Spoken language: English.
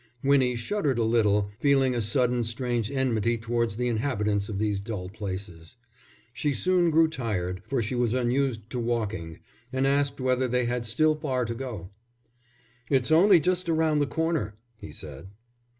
Winnie shuddered a little, feeling a sudden strange enmity towards the inhabitants of these dull places. She soon grew tired, for she was unused to walking, and asked whether they had still far to go. "It's only just round the corner," he said.